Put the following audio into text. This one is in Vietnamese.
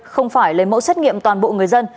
không phải lấy mẫu xét nghiệm toàn bộ người dân